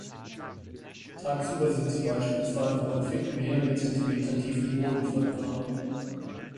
Tagsüber sind sie beispielsweise häufig mehrere Zentimeter tief im Boden vergraben.